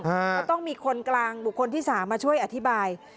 ก็ต้องมีคนกลางบุคคลที่๓มาช่วยอธิบาย